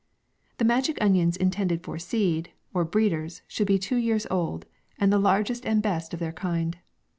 The magic onions intended for seed, Or breeders, should be two years old, and the largest and best of their kind.